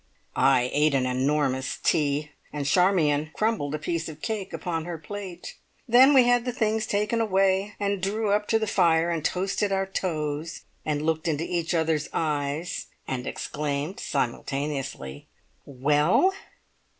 I ate an enormous tea, and Charmion crumbled a piece of cake upon her plate; then we had the things taken away, and drew up to the fire, and toasted our toes, and looked into each other's eyes, and exclaimed simultaneously "Well?"